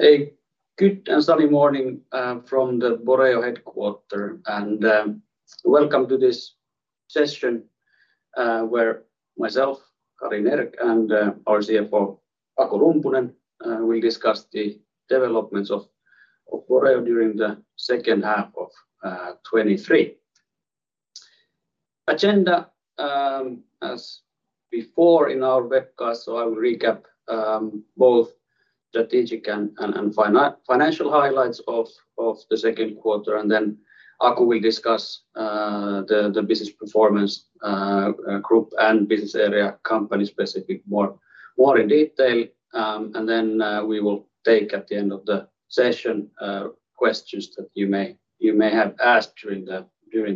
A good and sunny morning from the Boreo headquarter. Welcome to this session where myself, Kari Nerg, and our CFO, Aku Rumpunen, will discuss the developments of Boreo during the H2 of 2023. Agenda, as before in our webcast. I will recap both strategic and financial highlights of the Q2. Then Aku will discuss the business performance, group and business area, company-specific, more in detail. We will take at the end of the session questions that you may have asked during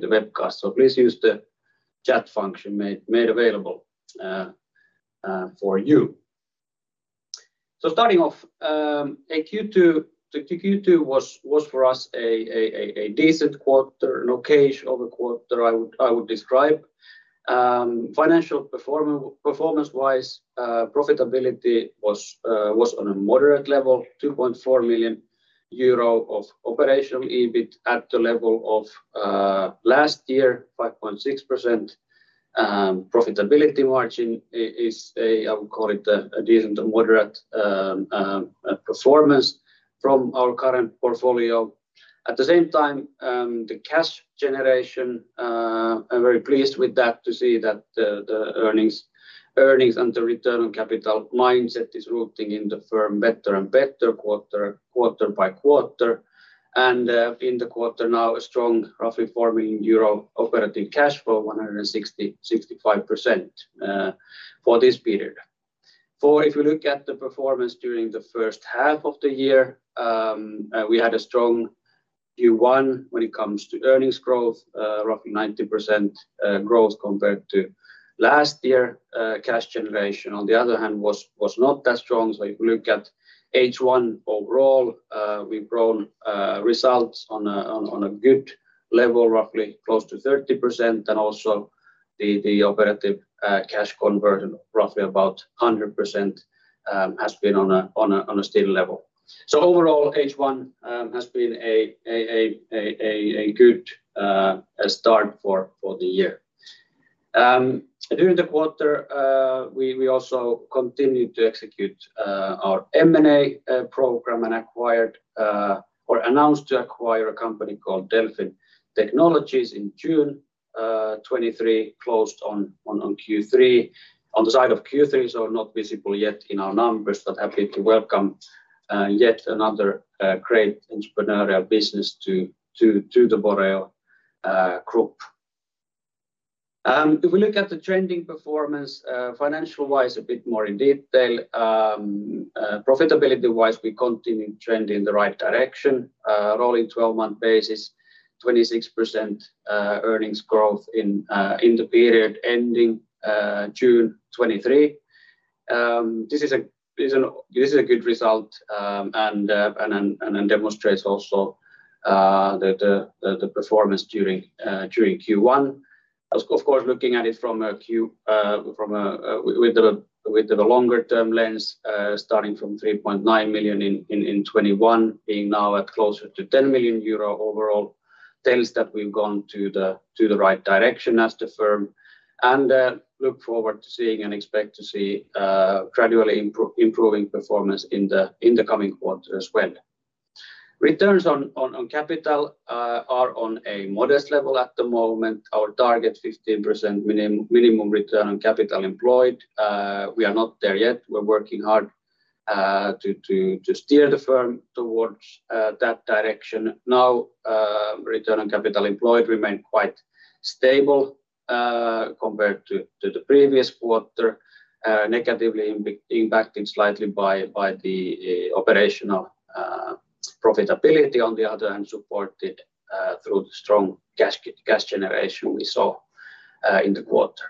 the webcast. Please use the chat function made available for you. So starting off, in Q2, the Q2 was for us a decent quarter, an okay-ish quarter, I would describe. Financial performance-wise, profitability was on a moderate level, 2.4 million euro of operational EBIT at the level of last year, 5.6%. Profitability margin is a, I would call it a decent to moderate performance from our current portfolio. At the same time, the cash generation, I'm very pleased with that, to see that the earnings and the return on capital mindset is rooting in the firm better and better quarter, quarter by quarter. In the quarter now, a strong, roughly forming euro operating cash flow, 165% for this period. If you look at the performance during the H1 of the year, we had a strong Q1 when it comes to earnings growth, roughly 90% growth compared to last year. Cash generation, on the other hand, was not that strong. If you look at H1 overall, we've grown results on a good level, roughly close to 30%. Also the, the operational cash conversion, roughly about 100%, has been on a steady level. Overall, H1 has been a good start for the year. During the quarter, we, we also continued to execute our M&A program and acquired or announced to acquire a company called Delfin Technologies in June 2023, closed on Q3. On the side of Q3, so not visible yet in our numbers, but happy to welcome yet another great entrepreneurial business to the Boreo Group. If we look at the trending performance, financial-wise, a bit more in detail, profitability-wise, we continue trending in the right direction. Rolling twelve-month basis, 26% earnings growth in the period ending June 2023. This is a good result and demonstrates also the performance during Q1. Of course, looking at it from a Q- from a, with the longer term lens, starting from 3.9 million in 2021, being now at closer to 10 million euro overall, tells that we've gone to the, to the right direction as the firm, and look forward to seeing and expect to see gradually improving performance in the, in the coming quarters as well. Returns on capital are on a modest level at the moment. Our target, 15% minimum return on capital employed. We are not there yet. We're working hard to steer the firm towards that direction. Now, return on capital employed remain quite stable, compared to the previous quarter, negatively impacted slightly by the operational profitability, on the other hand, supported through the strong cash generation we saw in the quarter.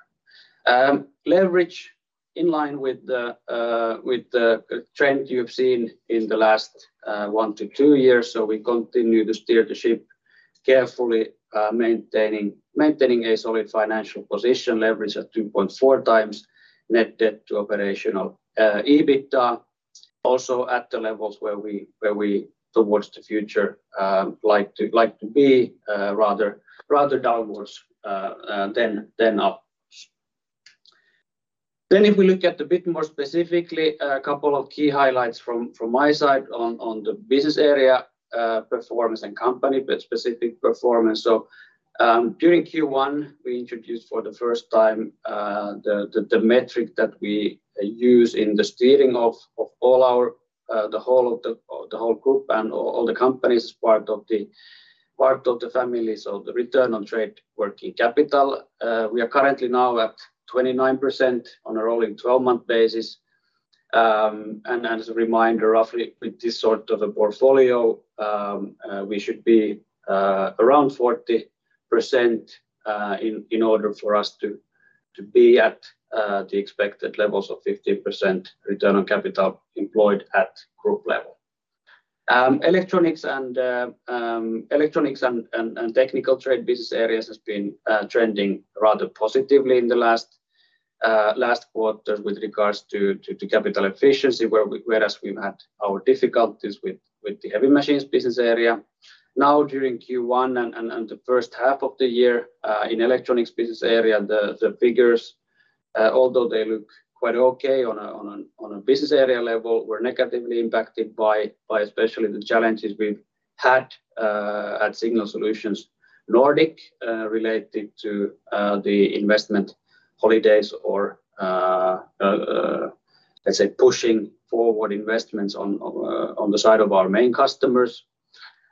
Leverage in line with the trend you've seen in the last one to two years, so we continue to steer the ship carefully, maintaining a solid financial position, leverage at 2.4x net debt to operational EBIT. Also, at the levels where we, towards the future, like to be, rather downwards than upwards. If we look at a bit more specifically, a couple of key highlights from my side on the business area performance and company, but specific performance. During Q1, we introduced for the first time the metric that we use in the steering of all our the whole group and all the companies, part of the family. The return on trade working capital. We are currently now at 29% on a rolling 12-month basis. As a reminder, roughly with this sort of a portfolio, we should be around 40% in order for us to be at the expected levels of 50% return on capital employed at group level. electronics and, and, and technical trade business areas has been trending rather positively in the last last quarter with regards to capital efficiency, whereas we've had our difficulties with, with the Heavy Machines Business Area. Now, during Q1 and, and, and the H1 of the year, in electronics business area, the, the figures, although they look quite okay on a, on a, on a business area level, were negatively impacted by, by especially the challenges we've had at Signal Solutions Nordic related to the investment holidays or let's say, pushing forward investments on the side of our main customers.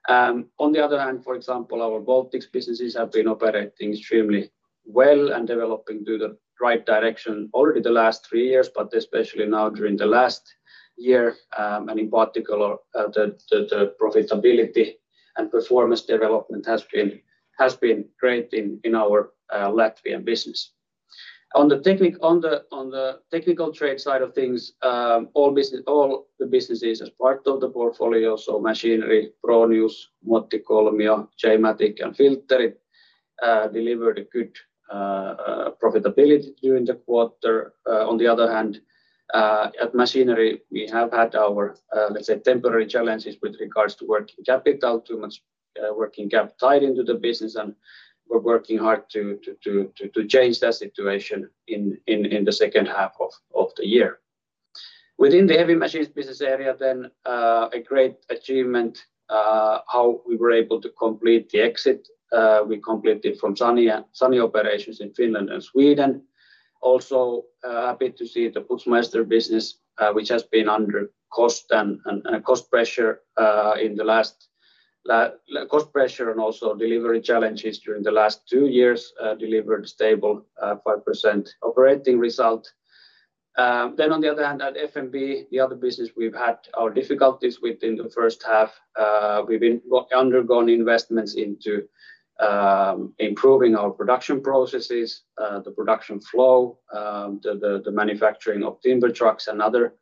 On the other hand, for example, our Baltics businesses have been operating extremely well and developing to the right direction already the last three years, but especially now during the last year. In particular, the profitability and performance development has been great in our Latvian business. On the technical trade side of things, all business, all the businesses as part of the portfolio, so Machinery, Pronius, Muottikolmio, J-Matic and Filterit, delivered a good profitability during the quarter. On the other hand, at Machinery, we have had our, let's say, temporary challenges with regards to working capital. Too much working cap tied into the business, and we're working hard to change that situation in the H2 of the year. Within the Heavy Machines Business Area, a great achievement, how we were able to complete the exit. We completed from SANY operations in Finland and Sweden. Also, happy to see the Putzmeister business, which has been under cost and, and a cost pressure, in the last cost pressure and also delivery challenges during the last two years, delivered a stable, 5% operating result. On the other hand, at FNB, the other business we've had our difficulties with in the H1. We've undergone investments into improving our production processes, the production flow, the manufacturing of timber trucks and other,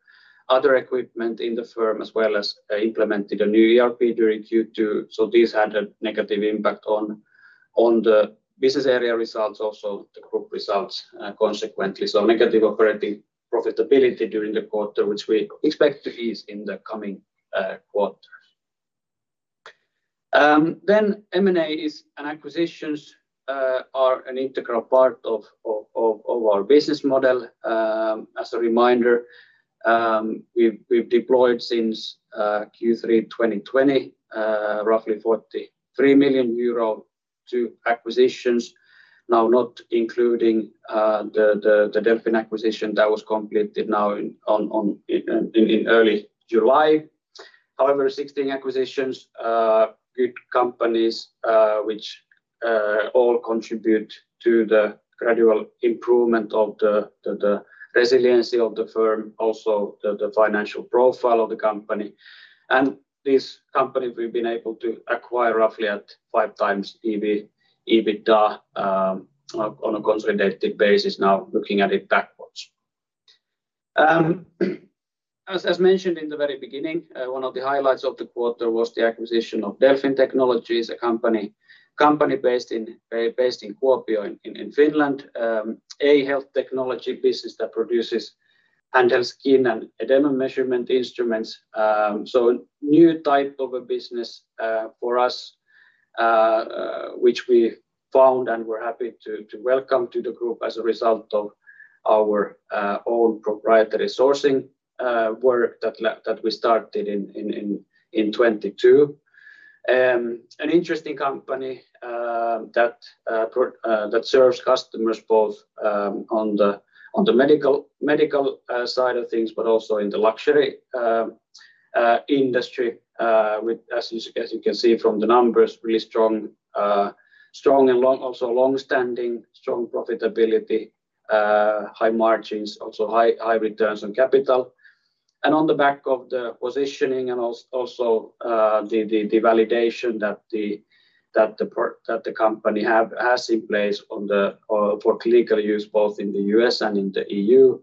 other equipment in the firm, as well as implemented a new ERP during Q2. This had a negative impact on the Business Area results, also the group results, consequently. Negative operating profitability during the quarter, which we expect to ease in the coming quarters. M&A and acquisitions are an integral part of our business model. As a reminder, we've deployed since Q3 2020 roughly 43 million euro to acquisitions, now not including the Delfin acquisition that was completed now in early July. However, 16 acquisitions, good companies, which all contribute to the gradual improvement of the resiliency of the firm, also the financial profile of the company. These companies, we've been able to acquire roughly at 5x EBITDA on a consolidated basis now, looking at it backwards. As, as mentioned in the very beginning, one of the highlights of the quarter was the acquisition of Delfin Technologies, a company based in Kuopio, in Finland. A health technology business that produces handheld skin and edema measurement instruments. So a new type of a business for us, which we found and we're happy to welcome to the group as a result of our own proprietary sourcing work that we started in 2022. An interesting company that serves customers both on the medical side of things, but also in the luxury industry. With, as you, as you can see from the numbers, really strong, strong and long, also long-standing, strong profitability, high margins, also high, high returns on capital. On the back of the positioning also, the validation that the company has in place on the, for clinical use, both in the U.S. and in the EU,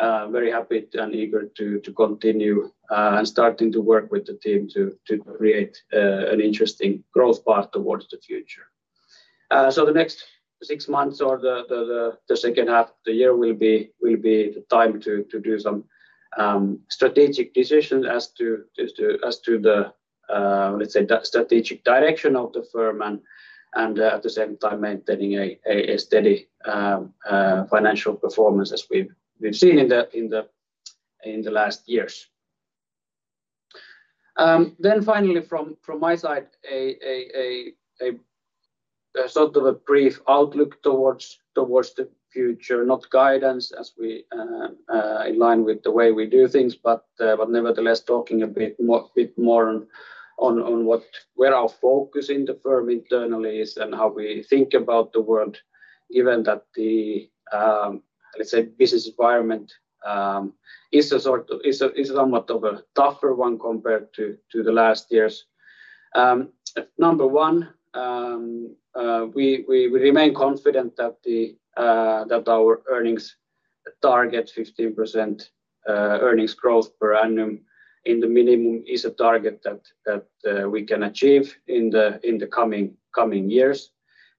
very happy and eager to, to continue, and starting to work with the team to, to create, an interesting growth path towards the future. The next six months or the H2 of the year will be, will be the time to, to do some strategic decisions as to, as to, as to the, let's say, the strategic direction of the firm and, and at the same time, maintaining a, a steady financial performance as we've, we've seen in the last years. Finally, from, from my side, a sort of a brief outlook towards, towards the future, not guidance, as we in line with the way we do things, but nevertheless, talking a bit more on where our focusing in the firm internally is and how we think about the world, given that the, let's say, business environment, is a is somewhat of a tougher one compared to the last years. Number one, we, we remain confident that the that our earnings target 15% earnings growth per annum in the minimum is a target that, that, we can achieve in the, in the coming, coming years.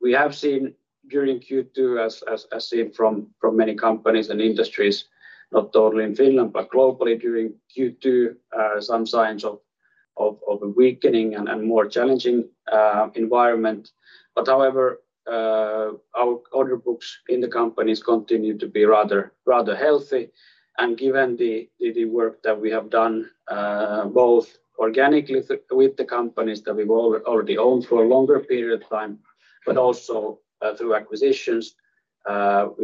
We have seen during Q2, as seen from many companies and industries, not totally in Finland, but globally during Q2, some signs of a weakening and more challenging environment. However, our order books in the companies continue to be rather healthy, and given the work that we have done, both organically with the companies that we've already owned for a longer period of time, but also, through acquisitions, we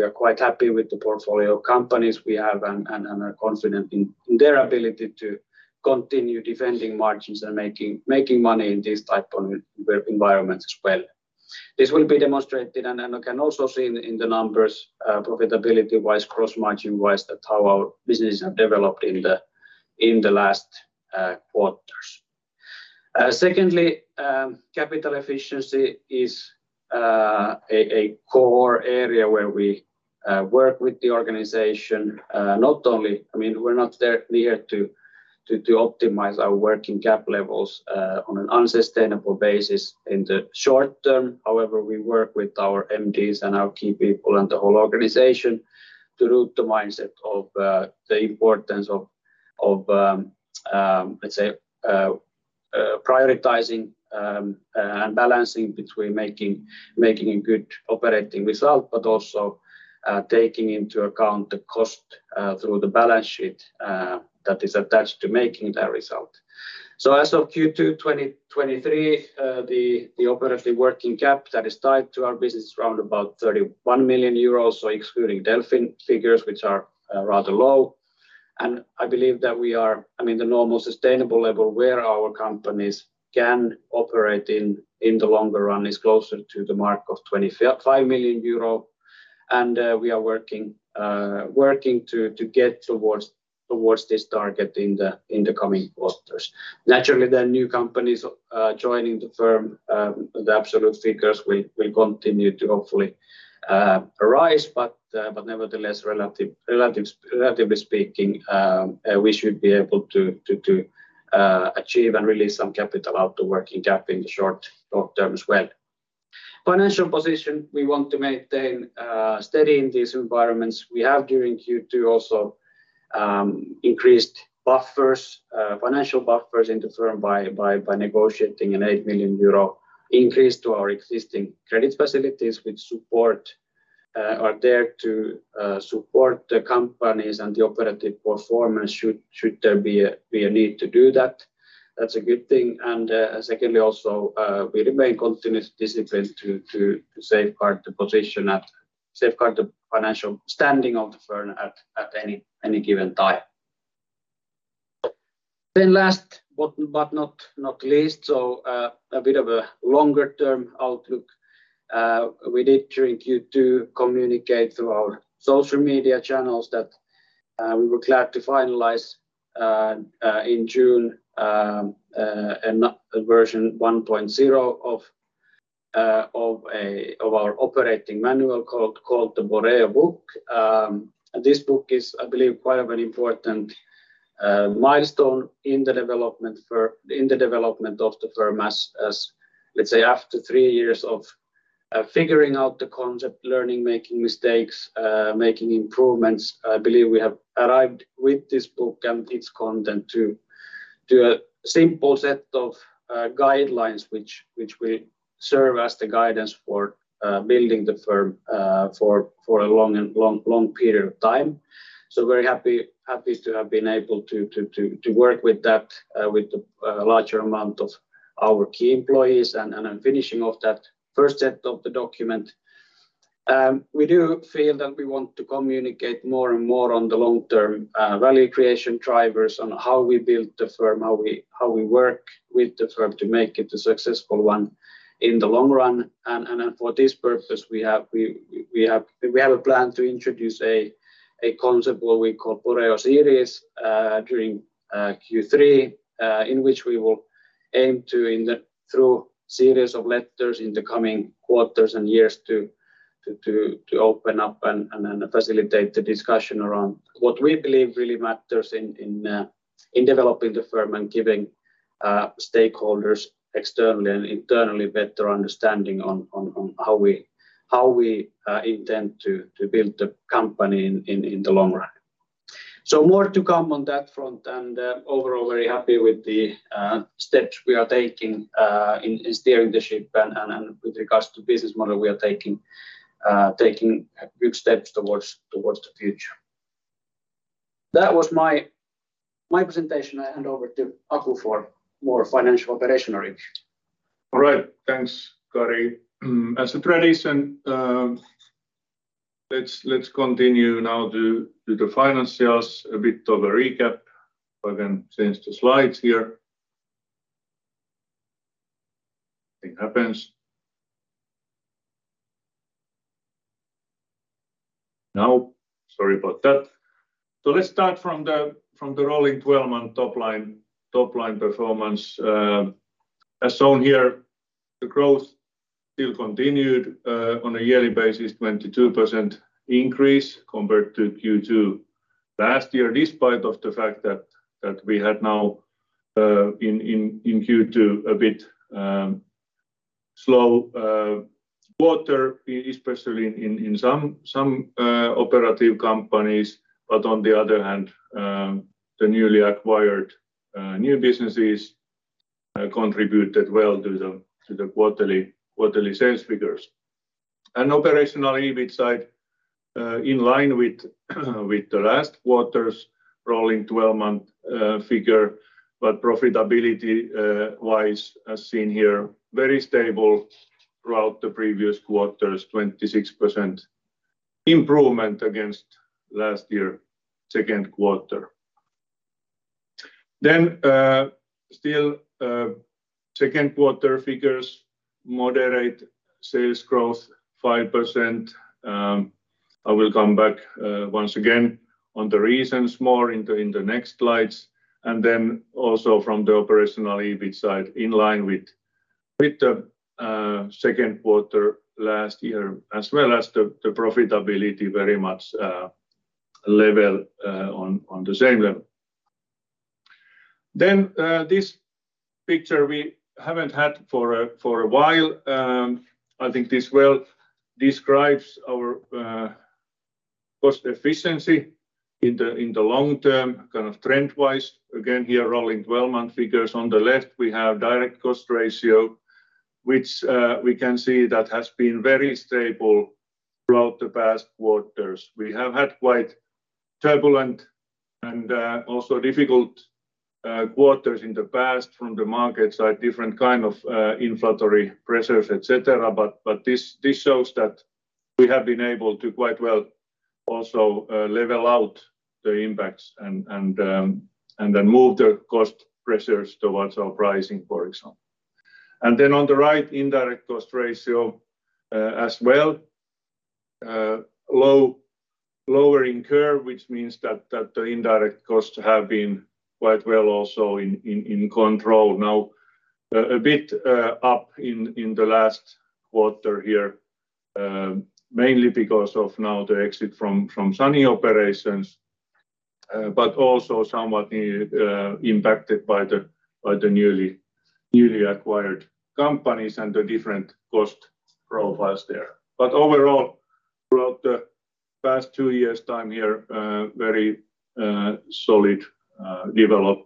are quite happy with the portfolio companies we have and are confident in their ability to continue defending margins and making money in this type of environment as well. This will be demonstrated, and I can also see in the numbers, profitability-wise, gross margin-wise, that how our businesses have developed in the last quarters. Secondly, capital efficiency is a core area where we work with the organization. Not only, I mean, we're not there here to optimize our working cap levels on an unsustainable basis in the short term. However, we work with our MDs and our key people and the whole organization to root the mindset of the importance of let's say, prioritizing and balancing between making a good operational result, but also taking into account the cost through the balance sheet that is attached to making that result. As of Q2 2023, the operative working cap that is tied to our business is around about 31 million euros, excluding Delfin figures, which are rather low. I believe that we are, I mean, the normal sustainable level where our companies can operate in the longer run is closer to the mark of 25 million euro, and we are working to get towards this target in the coming quarters. Naturally, the new companies joining the firm, the absolute figures will continue to hopefully arise, but nevertheless, relatively speaking, we should be able to achieve and release some capital out to working cap in the short term as well. Financial position, we want to maintain steady in these environments. We have, during Q2, also, increased buffers, financial buffers into the firm by negotiating an 8 million euro increase to our existing credit facilities, which support, are there to support the companies and the operational performance, should there be a need to do that. That's a good thing. Secondly, also, we remain continuous discipline to safeguard the position, safeguard the financial standing of the firm at any given time. Last, but not least, a bit of a longer-term outlook. We did, during Q2, communicate through our social media channels that we were glad to finalize in June a version 1.0 of our operating manual called the Boreo Book. This book is, I believe, quite a very important milestone in the development in the development of the firm as, as, let's say, after three years of figuring out the concept, learning, making mistakes, making improvements, I believe we have arrived with this book and its content to a simple set of guidelines which will serve as the guidance for building the firm for a long period of time. Very happy to have been able to work with that with the larger amount of our key employees and, and, and finishing off that first set of the document. We do feel that we want to communicate more and more on the long-term value creation drivers, on how we build the firm, how we work with the firm to make it a successful one in the long run. For this purpose, we have a plan to introduce a concept what we call Boreo Series, during Q3, in which we will aim to through series of letters in the coming quarters and years, to open up and facilitate the discussion around what we believe really matters in developing the firm and giving stakeholders externally and internally better understanding on how we intend to build the company in the long run. More to come on that front. Overall, very happy with the steps we are taking in steering the ship. With regards to business model, we are taking big steps towards the future. That was my presentation. I hand over to Aku for more financial operational. All right. Thanks, Kari. As a tradition, let's continue now to do the financials. A bit of a recap. If I can change the slides here. Nothing happens. Now, sorry about that. Let's start from the, from the rolling 12-month top line, top line performance. As shown here, the growth still continued on a yearly basis, 22% increase compared to Q2 last year, despite of the fact that, that we had now in, in, in Q2, a bit slow quarter, especially in some operative companies. On the other hand, the newly acquired new businesses contributed well to the, to the quarterly sales figures. Operational EBIT side, in line with the last quarter's rolling 12-month figure, but profitability wise, as seen here, very stable throughout the previous quarters, 26% improvement against last year, Q2. Still, Q2 figures, moderate sales growth, 5%. I will come back once again on the reasons more in the next slides. Then also from the operational EBIT side, in line with the Q2 last year, as well as the, the profitability very much level on the same level. This picture we haven't had for a while, I think this well describes our cost efficiency in the, in the long term, kind of trend-wise. Again, here, rolling 12-month figures. On the left, we have direct cost ratio, which we can see that has been very stable throughout the past quarters. We have had quite turbulent and also difficult quarters in the past from the market side, different kind of inflationary pressures, et cetera. But this shows that we have been able to quite well also level out the impacts and, and then move the cost pressures towards our pricing, for example. On the right, indirect cost ratio as well. Lowering curve, which means that the indirect costs have been quite well also in control. A bit up in the last quarter here, mainly because of now the exit from, from SANY operations, but also somewhat impacted by the newly acquired companies and the different cost profiles there. Overall, throughout the past two years' time here, very solid development.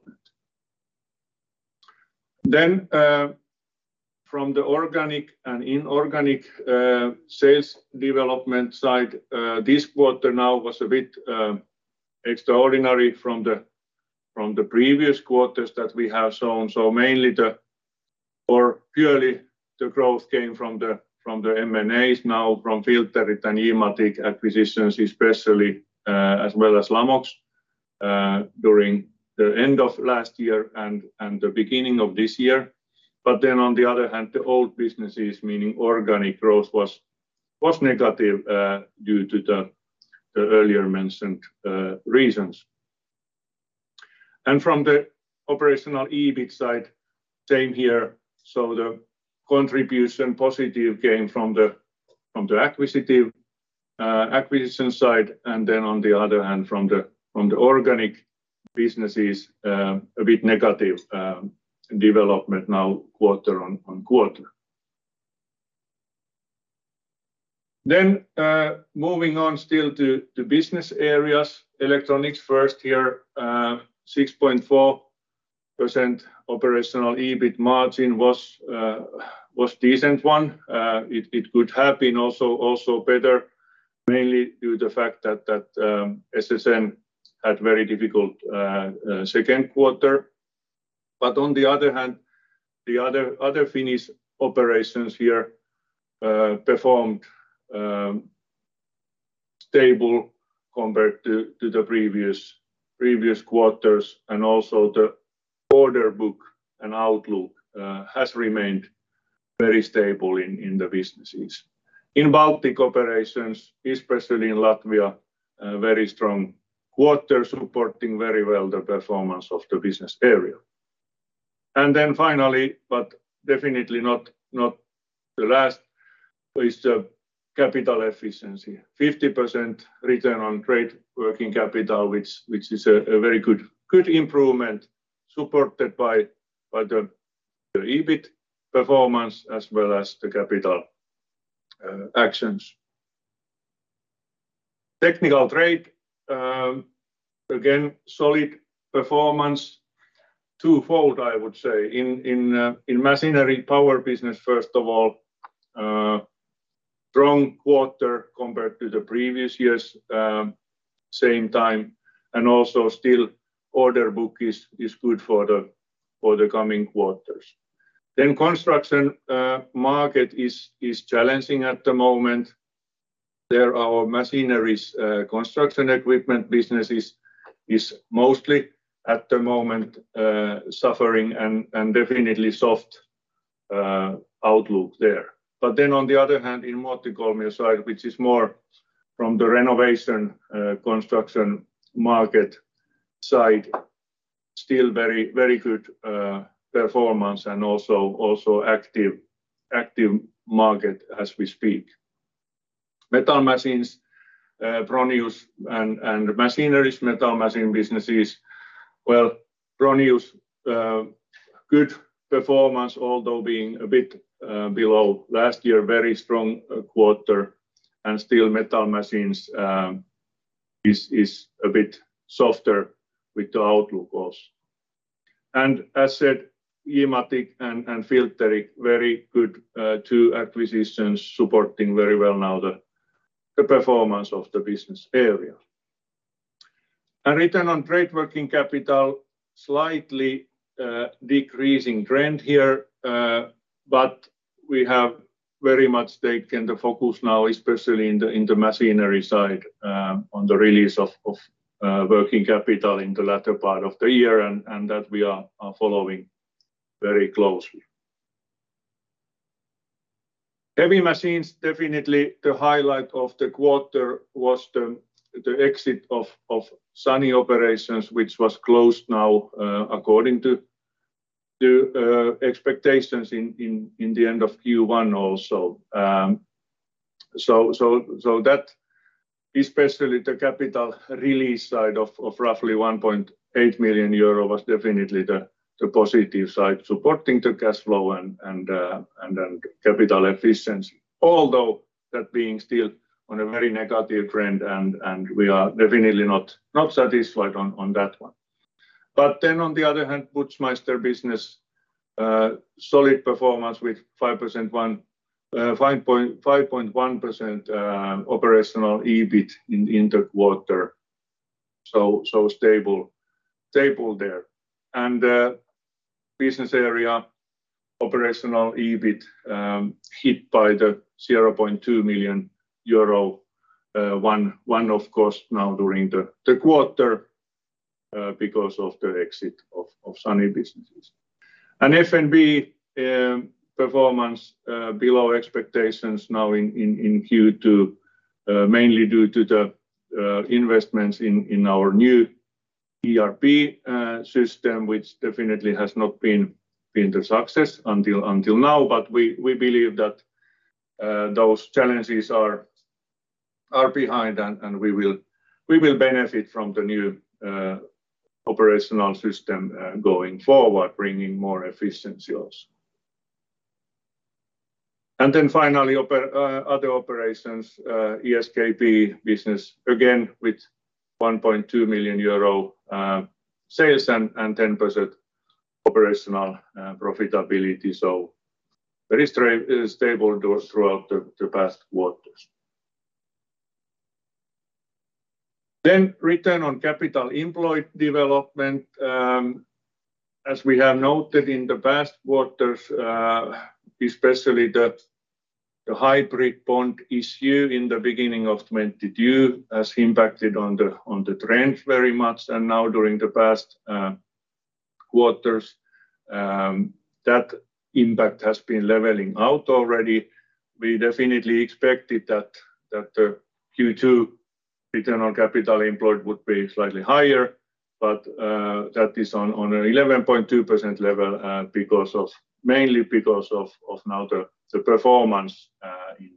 From the organic and inorganic sales development side, this quarter now was a bit extraordinary from the previous quarters that we have shown. Mainly or purely the growth came from the M&As, now from Filterit and J-Matic acquisitions especially, as well as Lamox, during the end of last year and the beginning of this year. Then, on the other hand, the old businesses, meaning organic growth, was negative, due to the earlier mentioned reasons. From the operational EBIT side, same here, so the contribution positive gain from the acquisitive acquisition side, and then on the other hand, from the organic businesses, a bit negative development now, quarter on quarter. Moving on still to the business areas. Electronics first here, 6.4% operational EBIT margin was decent one. It could have been also better, mainly due to the fact that SSN had very difficult Q2. On the other hand, the other Finnish operations here performed stable compared to the previous quarters, and also the order book and outlook has remained very stable in the businesses. In Baltic operations, especially in Latvia, a very strong quarter, supporting very well the performance of the business area. Then finally, but definitely not the last, is the capital efficiency. 50% return on trade working capital, which is a very good improvement, supported by the EBIT performance as well as the capital actions. Technical trade, again, solid performance. Twofold, I would say. In machinery power business, first of all, strong quarter compared to the previous year's same time, and also still order book is good for the coming quarters. Construction market is challenging at the moment. There, our Machinery construction equipment business is mostly at the moment suffering and definitely outlook there. On the other hand, in Muottikolmio side, which is more from the renovation construction market side, still very, very good performance and also active, active market as we speak. Metal machines, Pronius and Machinery metal machine businesses, well, Pronius good performance, although being a bit below last year, very strong quarter. Still metal machines is a bit softer with the outlook also. As said, J-Matic and Filterit, very good two acquisitions supporting very well now the performance of the business area. Return on trade working capital, slightly decreasing trend here, but we have very much taken the focus now, especially in the machinery side, on the release of working capital in the latter part of the year, and that we are following very closely. Heavy Machines Business Area, definitely the highlight of the quarter was the exit of SANY operations, which was closed now, according to the expectations in the end of Q1 also. That, especially the capital release side of roughly 1.8 million euro, was definitely the positive side, supporting the cash flow and capital efficiency. That being still on a very negative trend, and we are definitely not satisfied on that one. On the other hand, Putzmeister business, solid performance with 5.1% operational EBIT in the quarter. So stable there. Business area operational EBIT hit by the 0.2 million euro one of course now during the quarter because of the exit of SANY businesses. FNB performance below expectations now in Q2 mainly due to the investments in our new ERP system, which definitely has not been, been the success until, until now. We, we believe that those challenges are behind and we will, we will benefit from the new operational system going forward, bringing more efficiency also. Finally, other operations, ESKP business, again, with 1.2 million euro sales and 10% operational profitability. Very stable those throughout the past quarters. Return on capital employed development, as we have noted in the past quarters, especially that the hybrid bond issue in the beginning of 2022 has impacted on the trend very much. Now during the past quarters, that impact has been leveling out already. We definitely expected that, that the Q2 return on capital employed would be slightly higher, but that is on an 11.2% level, mainly because of, of now the performance in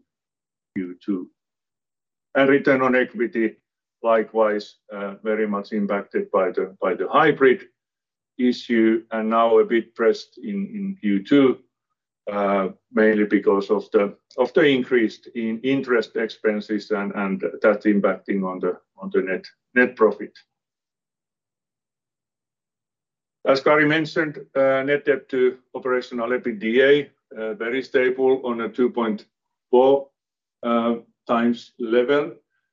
Q2. Return on equity, likewise, very much impacted by the, by the hybrid issue, and now a bit pressed in, in Q2, mainly because of the, of the increased in interest expenses and, and that impacting on the, on thenet profit. As Kari mentioned, Net Debt to Operational EBITDA, very stable on a 2.4 times level,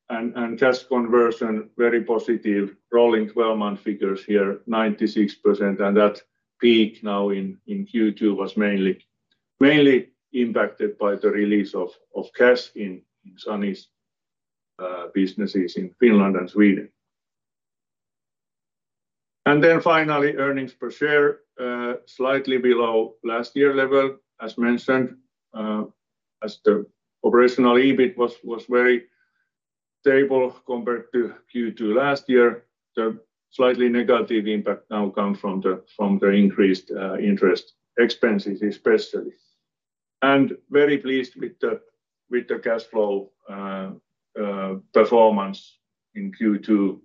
and cash conversion, very positive. Rolling 12-month figures here, 96%, and that peak now in, in Q2 was mainly, mainly impacted by the release of, of cash in SANY's businesses in Finland and Sweden. Then finally, earnings per share, slightly below last year level, as mentioned, as the operational EBIT was, was very stable compared to Q2 last year. The slightly negative impact now come from the, from the increased interest expenses, especially. Very pleased with the, with the cash flow performance in Q2,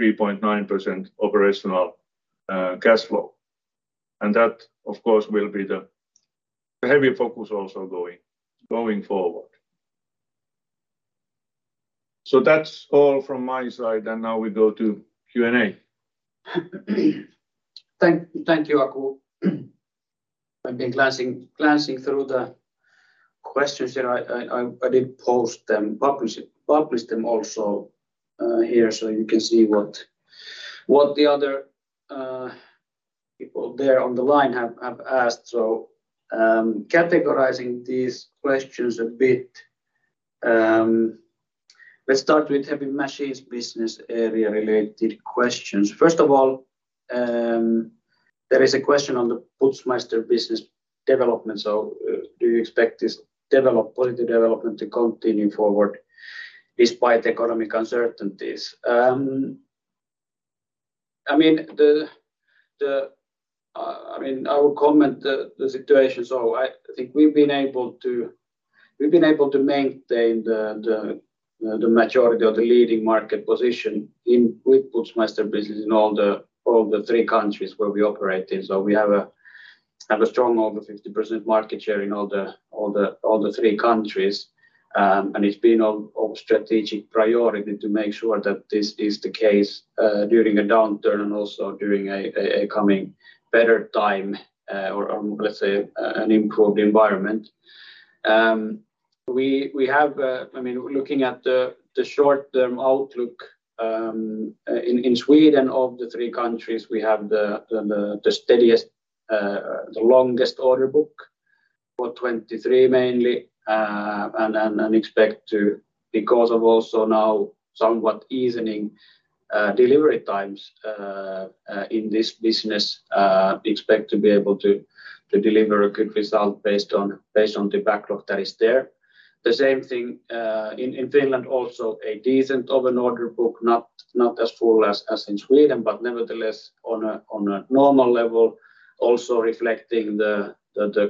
3.9% operational cash flow. That, of course, will be the heavier focus also going forward. That's all from my side, and now we go to Q&A. Thank, thank you, Aku. I've been glancing, glancing through the questions, and I did post them, publish, publish them also, here, so you can see what the other people there on the line have asked. Categorizing these questions a bit. Let's start with Heavy Machines Business Area related questions. First of all, there is a question on the Putzmeister business development. Do you expect this positive development to continue forward despite economic uncertainties? I mean, I would comment the, the situation. I think we've been able to, we've been able to maintain the, the, the majority of the leading market position in with Putzmeister business in all the, all the three countries where we operate in. We have a, have a strong over 50% market share in all the three countries. And it's been of, of strategic priority to make sure that this is the case during a downturn and also during a coming better time, or let's say, an improved environment. We have, I mean, looking at the, the short-term outlook in Sweden, of the three countries, we have the steadiest, the longest order book for 2023 mainly, and then, and expect to, because of also now somewhat easing, delivery times, in this business, expect to be able to, to deliver a good result based on, based on the backlog that is there. The same thing, in, in Finland, also a decent of an order book, not, not as full as, as in Sweden, but nevertheless on a, on a normal level, also reflecting the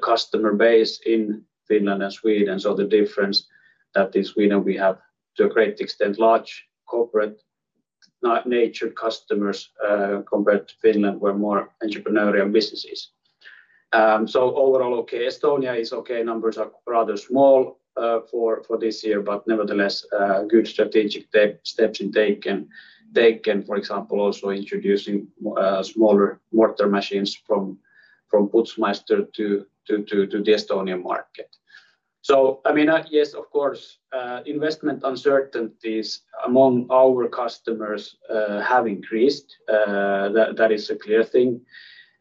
customer base in Finland and Sweden. The difference that is Sweden, we have, to a great extent, large corporate-natured customers, compared to Finland, where more entrepreneurial businesses. Overall, okay, Estonia is okay. Numbers are rather small for this year, but nevertheless, good strategic steps in taken, taken, for example, also introducing smaller mortar machines from Putzmeister to the Estonian market. I mean, yes, of course, investment uncertainties among our customers have increased. That is a clear thing.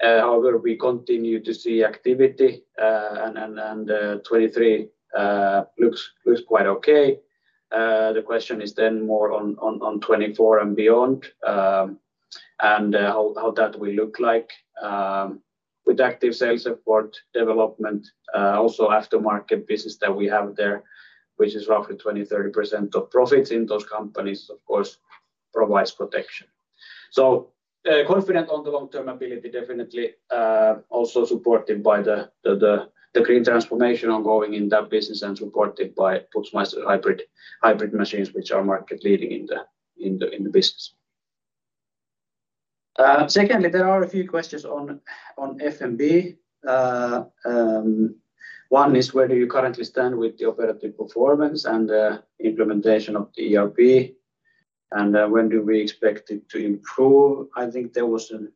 However, we continue to see activity and, and 2023 looks, looks quite okay. The question is then more on 2024 and beyond, and how, how that will look like with active sales support development, also aftermarket business that we have there, which is roughly 20%-30% of profits in those companies, of course, provides protection. Confident on the long-term ability, definitely, also supported by the green transformation ongoing in that business and supported by Putzmeister hybrid machines, which are market leading in the, in the, in the business. Secondly, there are a few questions on, on FNB. One is, where do you currently stand with the operational performance and implementation of the ERP, and when do we expect it to improve? I think there was an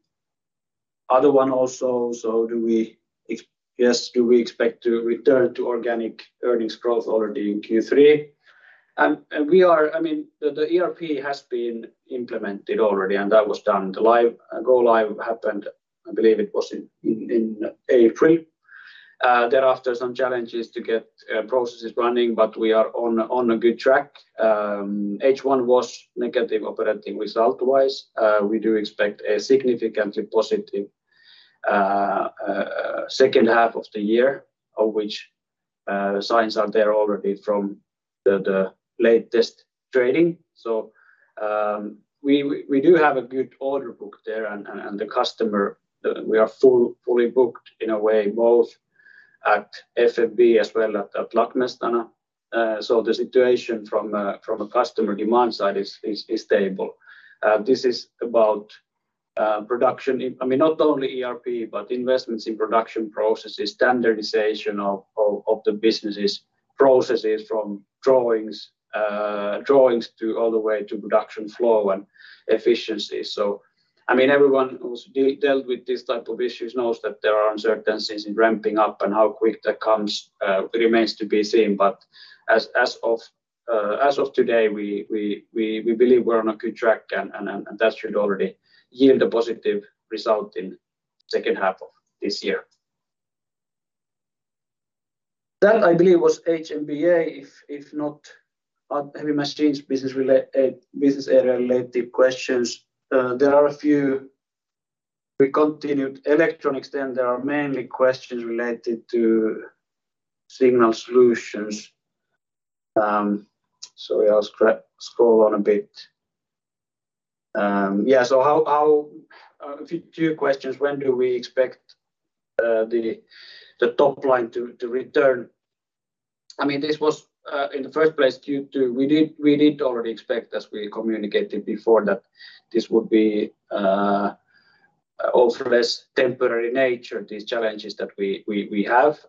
other one also. Do we ex- yes, do we expect to return to organic earnings growth already in Q3? I mean, the ERP has been implemented already, and that was done. The live, go live happened, I believe it was in, in April. Thereafter, some challenges to get processes running, but we are on a good track. H1 was negative operating result-wise. We do expect a significantly positive H2 of the year, of which signs are there already from the latest trading. We do have a good order book there, and the customer, we are fully booked in a way, both at FNB as well at Lackmästarn. The situation from a customer demand side is stable. This is about production in, I mean, not only ERP, but investments in production processes, standardization of the businesses, processes from drawings to all the way to production flow and efficiency. I mean, everyone who's dealt with this type of issues knows that there are uncertainties in ramping up and how quick that comes remains to be seen. As, as oftoday, we believe we're on a good track and that should already yield a positive result in H2 of this year. That, I believe, was HMBA, if not, Heavy Machines Business Area related questions. There are a few. We continued electronics, then there are mainly questions related to Signal Solutions. Sorry, I'll scroll on a bit. Yeah, so how, how, a few questions: When do we expect, the, the top line to return? I mean, this was, in the first place, due to. We did, we did already expect, as we communicated before, that this would be, also less temporary nature, these challenges that we have.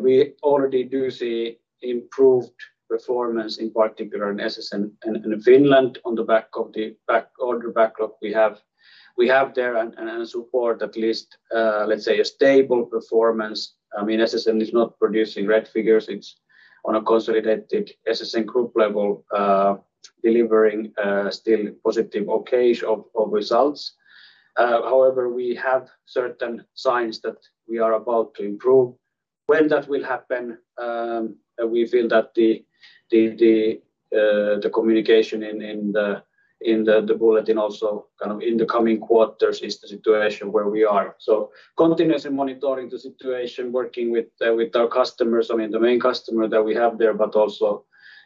We already do see improved performance, in particular in SSN and in Finland, on the back of the back-order backlog we have, we have there and support at least, let's say, a stable performance. I mean, SSN is not producing red figures. It's on a consolidated SSN group level, delivering still positive okay of results. However, we have certain signs that we are about to improve. When that will happen, we feel that the communication in the bulletin also kind of in the coming quarters is the situation where we are. Continuously monitoring the situation, working with our customers, I mean, the main customer that we have there, but also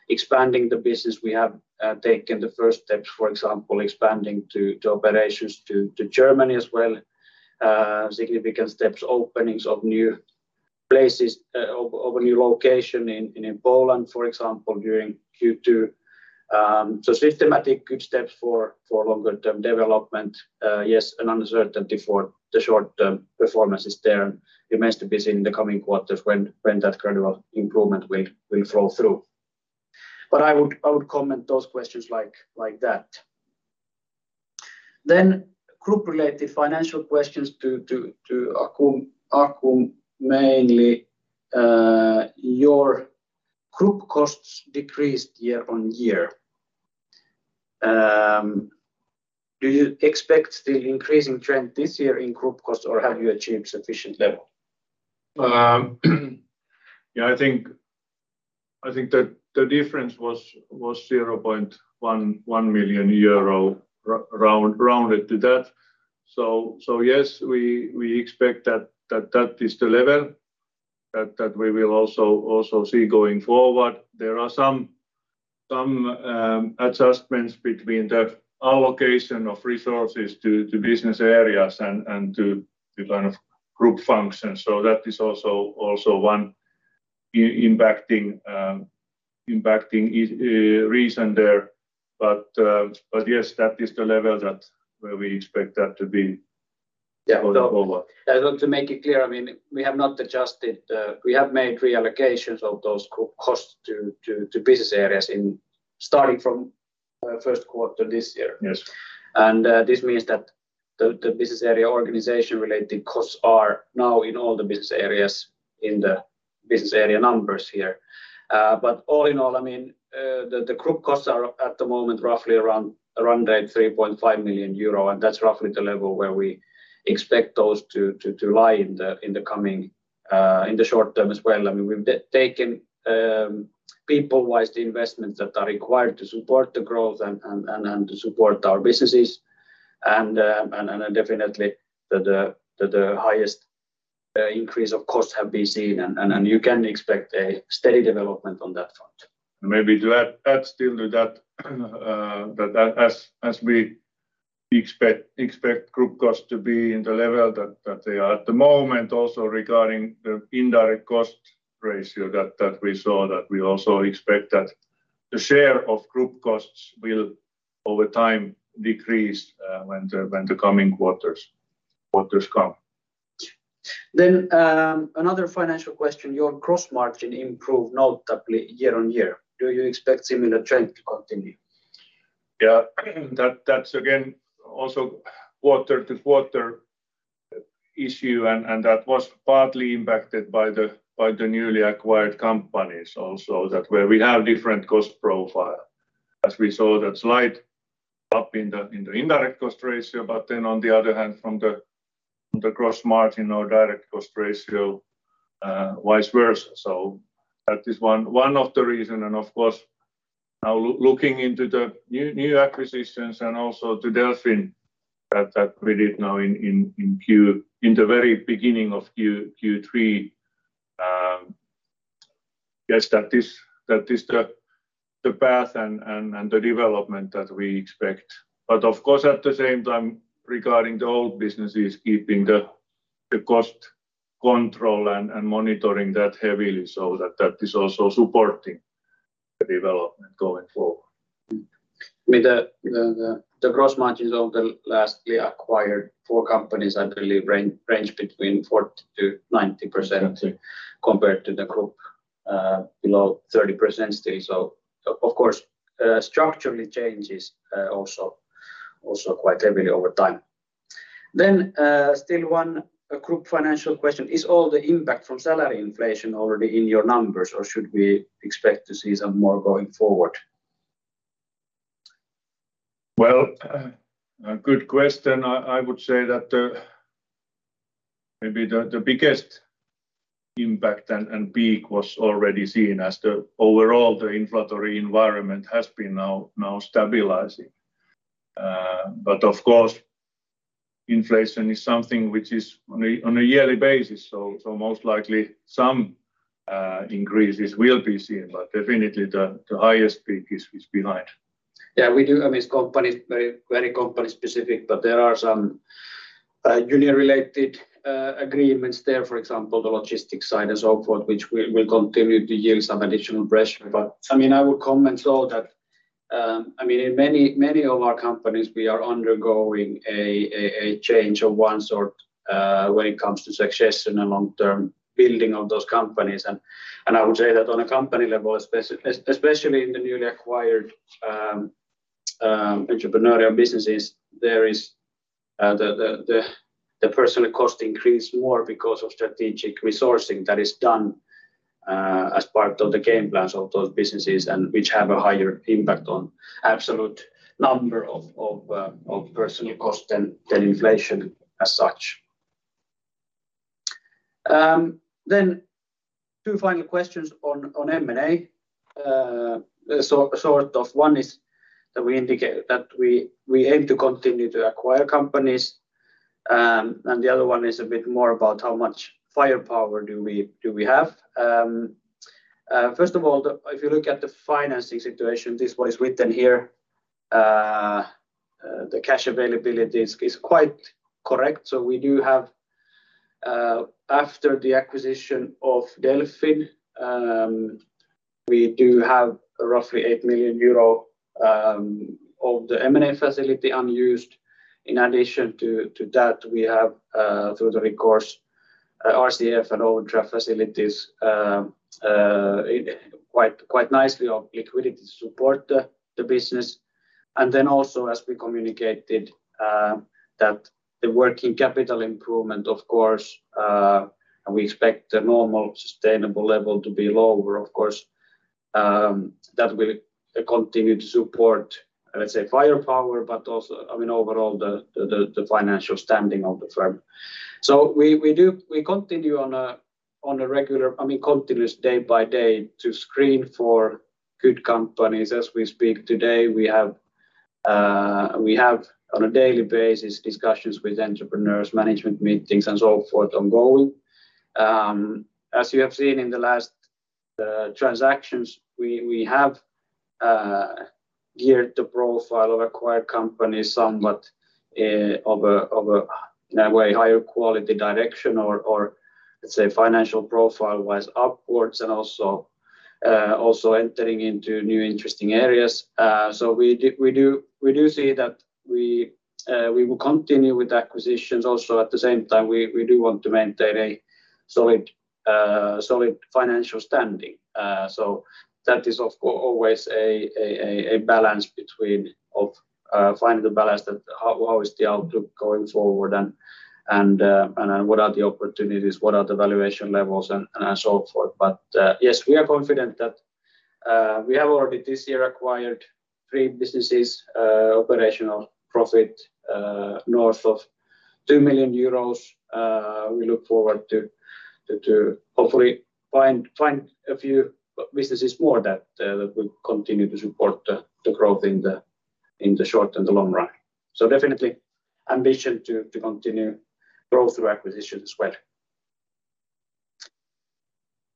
expanding the business. We have taken the first steps, for example, expanding to operations to Germany as well. Significant steps, openings of new places, of, of a new location in, in Poland, for example, during Q2. Systematic good steps for, for longer term development. Yes, uncertainty for the short term performance is there, and it remains to be seen in the coming quarters when, when that kind of improvement will, will flow through. I would, I would comment those questions like that. Group-related financial questions to Aku mainly. Your group costs decreased year-on-year. Do you expect the increasing trend this year in group costs, or have you achieved sufficient level? Yeah, I think the difference was 0.11 million euro rounded to that. Yes we expect that is the level that, that we will also see going forward. There are some adjustments between that allocation of resources to business areas and to the kind of group functions. That is also, also one impacting reason there. Yes, that is the level that where we expect that to be going forward. Yeah, and to make it clear, I mean, we have not adjusted. We have made reallocations of those costs to business areas starting from Q1 this year. Yes. This means that the business area organization-related costs are now in all the business areas, in the business area numbers here. All in all, I mean, the group costs are at the moment roughly around 3.5 million euro, and that's roughly the level where we expect those to lie in the coming in the short term as well. I mean, we've taken people-wise, the investments that are required to support the growth and to support our businesses and definitely the highest increase of costs have been seen, and you can expect a steady development on that front. Maybe to add still to that as we expect group costs to be in the level, that they are at the moment, also regarding the indirect cost ratio that we saw, that we also expect that the share of group costs will over time decrease when the coming quarters, quarters come. Another financial question: Your gross margin improved notably year on year. Do you expect similar trend to continue? Yeah, that's again, also quarter-over-quarter issue, and that was partly impacted by the newly acquired companies also, that where we have different cost profile. As we saw that slight up in the indirect cost ratio, but then on the other hand, from the, the gross margin or direct cost ratio, vice versa. That is one of the reason, and of course, now looking into the new acquisitions and also to Delfin that we did now in the very beginning of Q3, yes, that is the path and, and the development that we expect. Of course, at the same time, regarding the old businesses, keeping the, the cost control and monitoring that heavily, so that, that is also supporting the development going forward. I mean, the gross margins of the lastly acquired four companies, I believe range between 40%-90% compared to the group, below 30% still. Of course, structurally changes, also quite heavily over time. Still one group financial question: Is all the impact from salary inflation already in your numbers, or should we expect to see some more going forward? Well, a good question. I would say that, maybe the biggest impact and peak was already seen as the overall the inflationary environment has been now stabilizing. Of course, inflation is something which is on a yearly basis, so most likely some, increases will be seen, but definitely the highest peak is behind. Yeah, we do. I mean, it's company very company-specific, but there are some union-related agreements there, for example, the logistics side and so forth, which will continue to yield some additional pressure. I mean, I would comment all that, I mean, in many of our companies, we are undergoing a change of one sort, when it comes to success and the long-term building of those companies. I would say that on a company level, especially in the newly acquired entrepreneurial businesses, the personal cost increased more because of strategic resourcing that is done as part of the game plans of those businesses, and which have a higher impact on absolute number of personal cost than inflation as such. Then two final questions on M&A. Sort of one is that we indicate that we aim to continue to acquire companies, and the other one is a bit more about how much firepower do we, do we have? First of all, if you look at the financing situation, this what is written here, the cash availability is quite correct. We do have, after the acquisition of Delfin, we do have roughly 8 million euro of the M&A facility unused. In addition to that, we have, through the recourse, RCF and Overdraft facilities, quite nicely of liquidity to support the business. Also, as we communicated, that the working capital improvement, of course, and we expect the normal sustainable level to be lower, of course, that will continue to support, let's say, firepower, but also, I mean, overall, the financial standing of the firm. We continue on a regular, I mean, continuous day by day to screen for good companies. As we speak today, we have, on a daily basis, discussions with entrepreneurs, management meetings, and so forth, ongoing. As you have seen in the last transactions, we have geared the profile of acquired companies somewhat of a, in a way, higher quality direction, or let's say financial profile-wise, upwards and also entering into new interesting areas. Uh, so we do, we do see that we will continue with acquisitions. Also, at the same time, we do want to maintain a solid financial standing. So that is always a balance between of, finding the balance that how, how is the outlook going forward and what are the opportunities, what are the valuation levels, and, and so forth. But, yes, we are confident that we have already this year acquired three businesses operational profit north of two million euros. We look forward to hopefully find a few businesses more that will continue to support the, the growth in the short and the long run. So definitely ambition to, to continue growth through acquisition as well.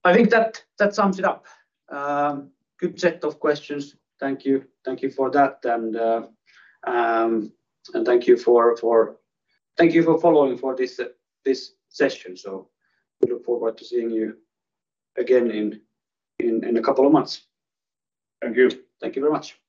I think that sums it up. good set of questions. Thank you. Thank you for that, and thank you for following for this session. We look forward to seeing you again in a couple of months. Thank you. Thank you very much!